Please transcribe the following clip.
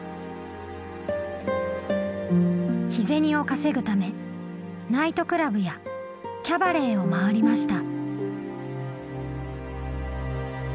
日銭を稼ぐためナイトクラブやキャバレーを回りました。